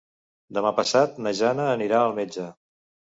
Demà passat na Jana anirà al metge.